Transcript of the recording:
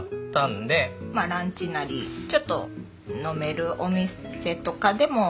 まあランチなりちょっと飲めるお店とかでも。